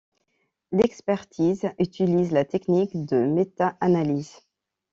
L'expertise utilise la technique de méta-analyses.